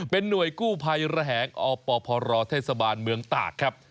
เป็นหน่วยกู้ไผลแหงอพศเมืองตากครับ